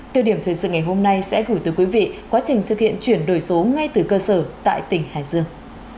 từ điểm thời sự ngày hôm nay sẽ gửi tới quý vị quá trình thực hiện chuyển đổi số ngay từ cơ sở tại tỉnh hải dương